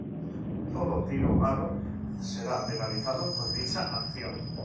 Todo tiro malo será penalizado con dicha acción.